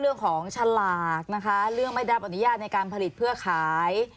เรื่องของฉลากนะคะเรื่องไม่ได้บรรยายในการผลิตเพื่อขาย